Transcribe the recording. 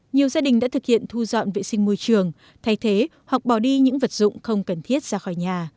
nhiều gia đình đã thực hiện thu dọn vệ sinh môi trường thay thế hoặc bỏ đi những vật dụng không cần thiết ra khỏi nhà